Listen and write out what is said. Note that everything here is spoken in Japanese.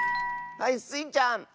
はいスイちゃん！